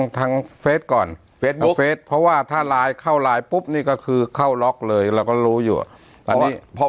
ทางเฟสก่อนเฟสบุ๊เฟสเพราะว่าถ้าไลน์เข้าไลน์ปุ๊บนี่ก็คือเข้าล็อกเลยเราก็รู้อยู่อ่ะ